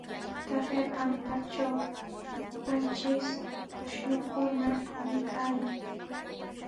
Taqay pampatraw qanchis ashnukuna puñuraykaayan.